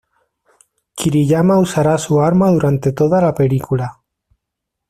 Kiriyama usará su arma durante toda la película.